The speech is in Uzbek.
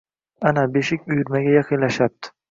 Ana beshik uyurmaga yaqinlashyapti.